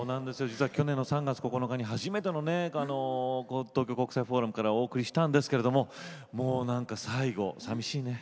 実は去年の３月９日に初めてのね東京国際フォーラムからお送りしたんですけれどももうなんか最後さみしいね。